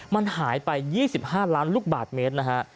มันหายไป๒๕ล้านลูกบาทเมตรนะฮะ